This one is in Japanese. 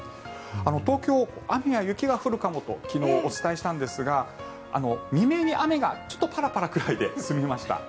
東京、雨や雪が降るかもと昨日お伝えしたんですが未明に雨が、ちょっとパラパラくらいで済みました。